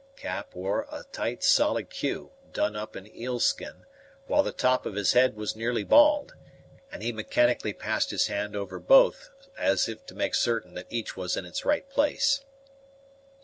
Cap wore a tight solid queue, done up in eelskin, while the top of his head was nearly bald; and he mechanically passed his hand over both as if to make certain that each was in its right place.